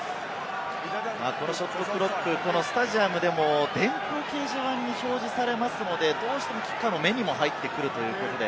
このショットクロック、スタジアムでも電光掲示板に表示されますので、どうしてもキッカーの目にも入ってくる。